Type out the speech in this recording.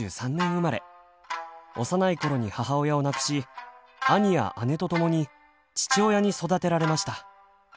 幼いころに母親を亡くし兄や姉とともに父親に育てられました。